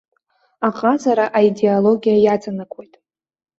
Аҟазара аидеологиа иаҵанакуеит.